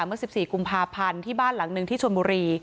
เมื่อ๑๔กุมภาพันธ์ที่บ้านหลังหนึ่งที่ชนบุรี